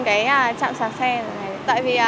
cái chạm sạc xe rồi này tại vì